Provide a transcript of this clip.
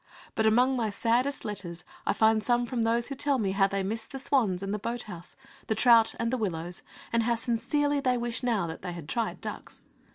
But among my saddest letters I find some from those who tell me how they miss the swans and the boat house, the trout and the willows, and how sincerely they wish now that they had tried ducks.